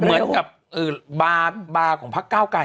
เหมือนกับบาร์บาร์ของพักเก้าไก่อะ